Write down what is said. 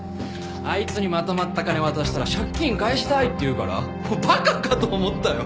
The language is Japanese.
あいつにまとまった金渡したら「借金返したい」って言うから馬鹿かと思ったよ。